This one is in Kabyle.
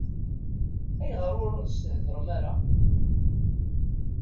Ayɣer ur s-thedrem ara?